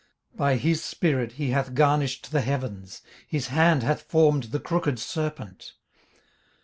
18:026:013 By his spirit he hath garnished the heavens; his hand hath formed the crooked serpent.